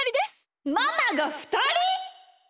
ママがふたり！？